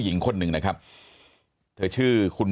มีความรู้สึกว่า